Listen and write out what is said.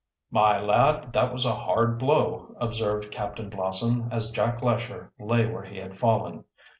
"My lad, that was a hard blow," observed Captain Blossom, as Jack Lesher lay where he had fallen.